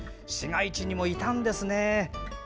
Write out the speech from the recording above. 市街地にもいたんですね。